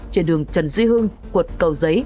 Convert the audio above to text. trên đường trần duy hương quận cầu giấy